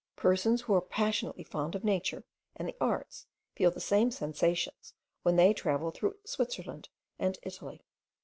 Persons who are passionately fond of nature and the arts feel the same sensations, when they travel through Switzerland and Italy.